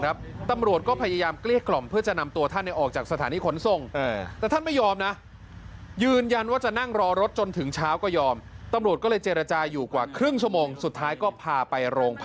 ระบบพื้นที่ที่อำเภอสามโก้จังหวัดอ่างทอง